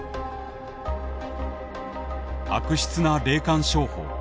悪質な霊感商法。